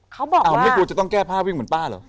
เขาบอกเขาไม่ควรจะต้องแก้ผ้าวิ่งเหมือนป้าเหรอ